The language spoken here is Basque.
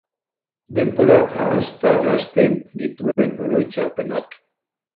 Denborak ahantzarazten dituen oroitzapenak.